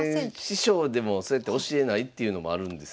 師匠でもそうやって教えないっていうのもあるんですね。